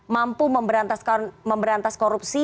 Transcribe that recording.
mampu memberantas korupsi